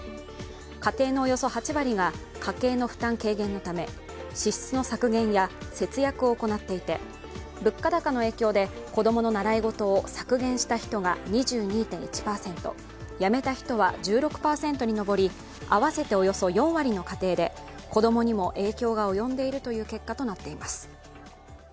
家庭のおよそ８割が家計の負担軽減のため支出の削減や節約を行っていて、物価高の影響で子供の習い事を削減した人が２２．１％、やめた人は１６％に上りあわせておよそ４割の家庭で子供にも影響が及んでいるという結果となっています。